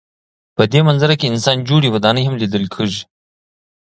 په دې منظره کې انسان جوړې ودانۍ هم لیدل کېږي.